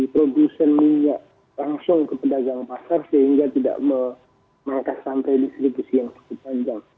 produsen minyak langsung ke pedagang pasar sehingga tidak mengangkas sampai distribusi yang cukup panjang